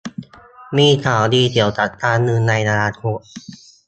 มีข่าวดีเกี่ยวกับการเงินในอนาคต